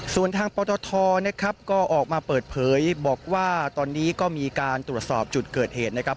ส่วนทางปตทนะครับก็ออกมาเปิดเผยบอกว่าตอนนี้ก็มีการตรวจสอบจุดเกิดเหตุนะครับ